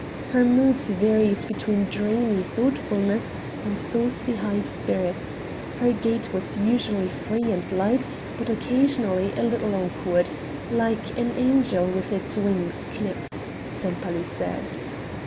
Her moods varied between dreamy thoughtfulness and saucy high spirits, her gait was usually free and light but occasionally a little awkward, "like an angel with its wings clipped," Sempaly said.